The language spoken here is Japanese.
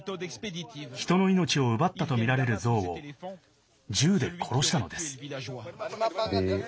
人の命を奪ったとみられるゾウを銃で殺したのです。